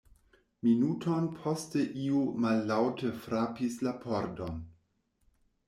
Minuton poste iu mallaŭte frapis la pordon.